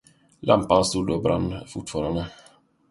Lampan stod och brann fortfarande.